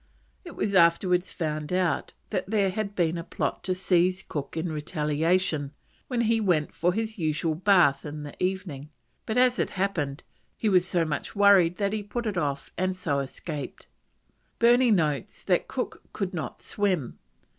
It was afterwards found out that there had been a plot to seize Cook in retaliation, when he went for his usual bath in the evening, but, as it happened, he was so much worried that he put it off and so escaped. Burney notes that Cook could not swim.